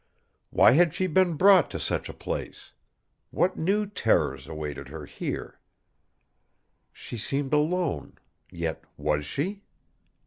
Why had she been brought to such a place? What new terrors awaited her here? She seemed alone yet was she?